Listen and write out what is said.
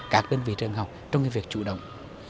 các đơn vị trường học trong việc chủ động